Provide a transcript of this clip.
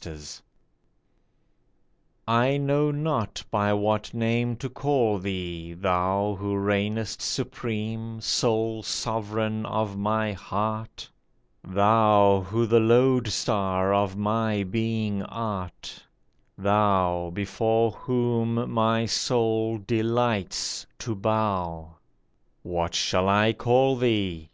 THE NAME I KNOW not by what name to call thee, thou Who reignest supreme, sole sovereign of my heart ! Thou who the lode star of my being art. Thou before whom my soul delights to bow ! What shall I call thee